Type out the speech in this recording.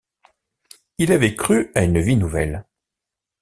Il avait cru à une vie nouvelle.